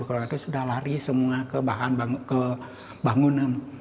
kalau itu sudah lari semua ke bahan ke bangunan